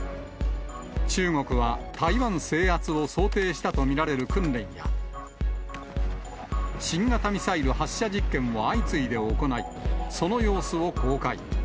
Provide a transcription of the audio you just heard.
中国は台湾制圧を想定したと見られる訓練や、新型ミサイル発射実験を相次いで行い、その様子を公開。